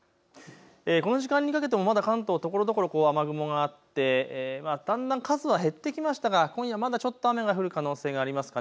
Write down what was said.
この時間にかけてもまだ関東、ところどころ雨雲があってだんだん数は減ってきましたが今夜はまだ降る可能性があります。